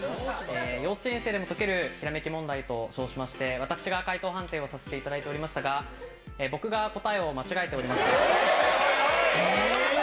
幼稚園生でも解けるひらめき問題と称しまして、私が解答判定をさせていただいておりましたが、僕が答えを間違えておりました。